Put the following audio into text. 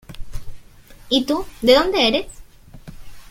Y tú, ¿de dónde eres?